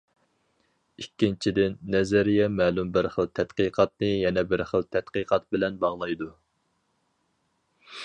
ئىككىنچىدىن، نەزەرىيە مەلۇم بىر خىل تەتقىقاتنى يەنە بىر خىل تەتقىقات بىلەن باغلايدۇ.